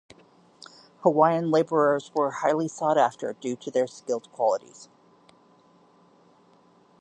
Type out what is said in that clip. Hawaiian laborers were highly sought after due to their skilled qualities.